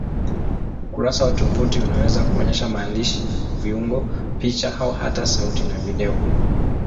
Ukurasa wa tovuti unaweza kuonyesha maandishi, viungo, picha au hata sauti na video.